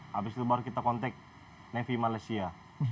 lalu baru kita kontak navy malaysia